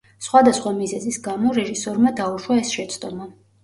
სხვადასხვა მიზეზის გამო რეჟისორმა დაუშვა ეს შეცდომა.